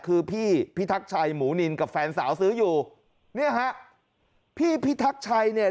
คือพี่พิทักชัยหมูนินกับแฟนสาวซื้ออยู่เนี่ยฮะพี่พิทักชัยเนี่ย